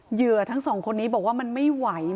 เหยื่อทั้งสองคนนี้บอกว่ามันไม่ไหว